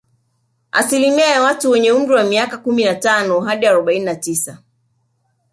Asilimia ya watu wenye umri wa miaka kumi na tano hadi arobaini na tisa